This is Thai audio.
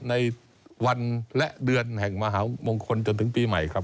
ในวันและเดือนแห่งมหามงคลจนถึงปีใหม่ครับ